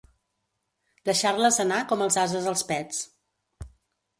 Deixar-les anar com els ases els pets.